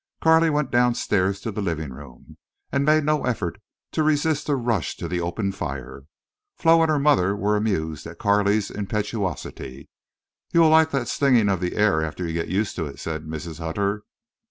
Carley went downstairs to the living room, and made no effort to resist a rush to the open fire. Flo and her mother were amused at Carley's impetuosity. "You'll like that stingin' of the air after you get used to it," said Mrs. Hutter.